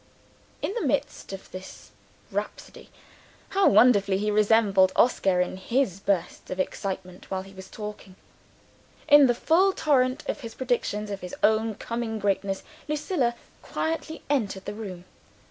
In the midst of this rhapsody (how wonderfully he resembled Oscar in his bursts of excitement while he was talking!) in the full torrent of his predictions of his own coming greatness, Lucilla quietly entered the room.